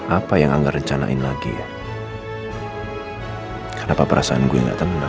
apa yang angga rencanain lagi ya kenapa perasaan gue gak tenang